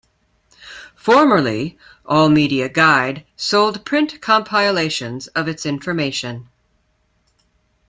Formerly, All Media Guide sold print compilations of its information.